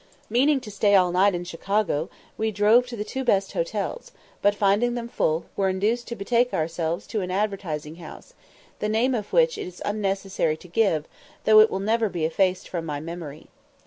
Meaning to stay all night at Chicago, we drove to the two best hotels, but, finding them full, were induced to betake ourselves to an advertising house, the name of which it is unnecessary to give, though it will never be effaced from my memory.